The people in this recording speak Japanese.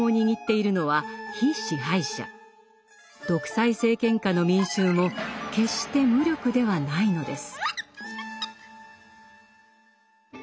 独裁政権下の民衆も決して無力ではないのです。